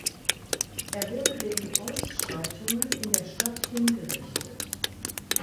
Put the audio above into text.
Er wurde wegen Ausschreitungen in der Stadt hingerichtet.